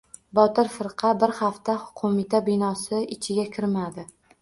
Botir firqa bir hafta qo‘mita binosi ichiga kirmadi.